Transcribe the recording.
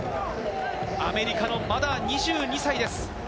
アメリカの２２歳です。